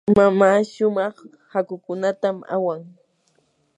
mamaa shumaq hakukunatam awan.